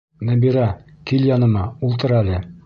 Нәбирә, кил яныма, ултыр әле.